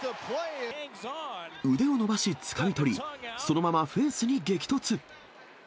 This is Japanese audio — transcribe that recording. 腕を伸ばしつかみ取り、そのままフェンスに激突。